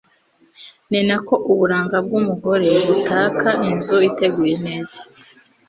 ni na ko uburanga bw'umugore butaka inzu iteguye neza